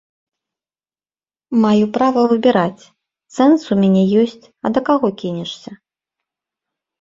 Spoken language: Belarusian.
Маю права выбіраць, цэнз у мяне ёсць, а да каго кінешся?